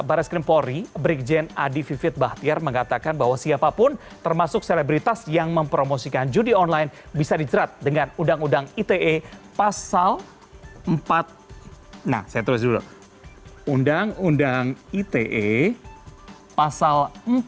barang skrimpori brigjen adi vivit bahtiar mengatakan bahwa siapapun termasuk selebritas yang mempromosikan judi online bisa dicerat dengan undang undang ite pasal empat puluh lima